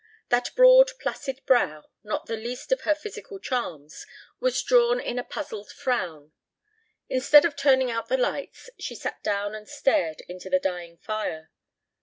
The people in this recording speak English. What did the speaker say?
That broad placid brow, not the least of her physical charms, was drawn in a puzzled frown. Instead of turning out the lights she sat down and stared into the dying fire.